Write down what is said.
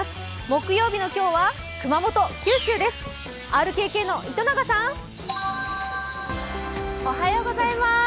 木曜日の今日は熊本、九州です。